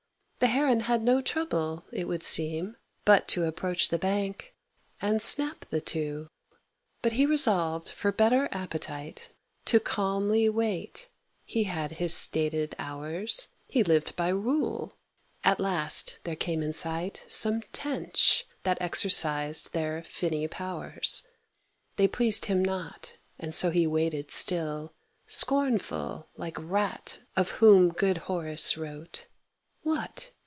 The Heron had no trouble, it would seem, But to approach the bank, and snap the two; But he resolved for better appetite To calmly wait: he had his stated hours: He lived by rule. At last, there came in sight Some Tench, that exercised their finny powers. They pleased him not, and so he waited still, Scornful, like rat of whom good Horace wrote. "What!